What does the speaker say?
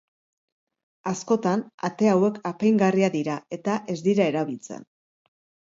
Askotan ate hauek apaingarriak dira eta ez dira erabiltzen.